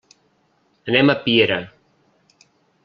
Anem a Piera.